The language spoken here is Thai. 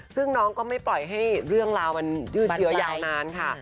ซึ่งน้องก็ไม่ปล่อยให้เรื่องราวมันยืดเยอะยาวนานค่ะ